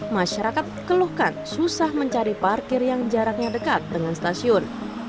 masyarakat keluhkan susah mencari parkir yang jaraknya dekat dengan stasiun